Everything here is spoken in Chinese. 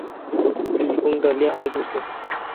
李锋的恋爱故事